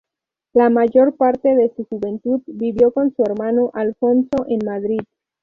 La mayor parte de su juventud, vivió con su hermano Alfonso en Madrid.